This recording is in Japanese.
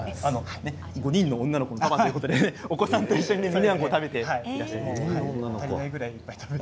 ５人のお子さんのパパということでお子さんと一緒にミニマンゴーを食べていらっしゃいますね。